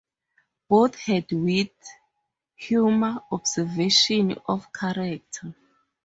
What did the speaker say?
Both had wit, humour, observation of character.